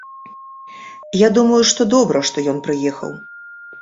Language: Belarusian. Я думаю, што добра, што ён прыехаў.